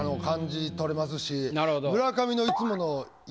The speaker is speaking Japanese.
村上の。